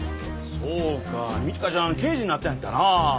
そうか路花ちゃん刑事になったんやったなあ。